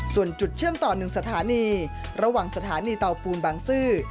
ส่วนจุดเชื่อมต่อ๑สถานีระหว่างสถานีเตาปูนบางซื่อ